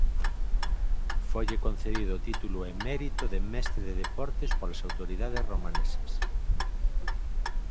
Foille concedido o título emérito de mestre de deportes polas autoridades romanesas.